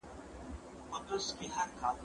زه به اوږده موده سبا ته فکر کړی وم،